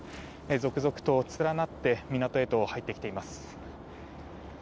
続々と連なって港へと入ってきています。